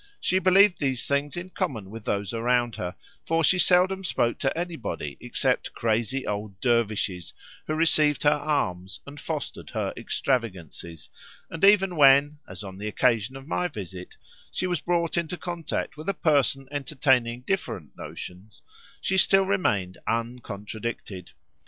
She believed these things in common with those around her, for she seldom spoke to anybody except crazy old dervishes, who received her alms, and fostered her extravagancies, and even when (as on the occasion of my visit) she was brought into contact with a person entertaining different notions, she still remained uncontradicted.